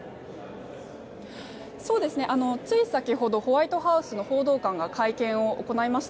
つい先ほどホワイトハウスの報道官が会見を行いました。